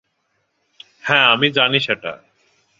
হ্যাঁ, আমি জানি সেটা।